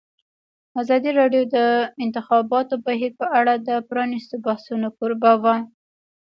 ازادي راډیو د د انتخاباتو بهیر په اړه د پرانیستو بحثونو کوربه وه.